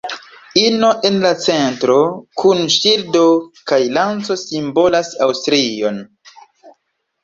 Ino en la centro, kun ŝildo kaj lanco simbolas Aŭstrion.